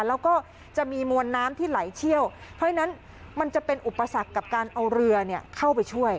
แล้วก็จะมีมวลน้ำที่ไหลเชี่ยวเพราะฉะนั้นมันจะเป็นอุปสรรคกับการเอาเรือเข้าไปช่วย